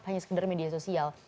hanya sekedar media sosial